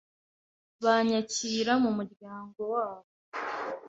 banyakira mu muryango wabo.